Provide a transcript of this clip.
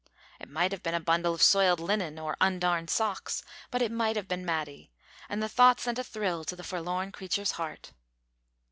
It might have been a bundle of soiled linen, or undarned socks, but it might have been Matty, and the thought sent a thrill to the forlorn creature's heart.